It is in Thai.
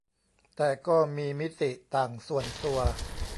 แต่ก็มีมิติต่าง ส่วนตัว